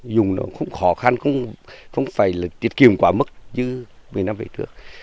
dùng nó không khó khăn không phải là tiết kiệm quá mức như một mươi năm về trước